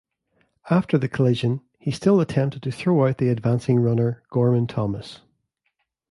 After the collision, he still attempted to throw out the advancing runner Gorman Thomas.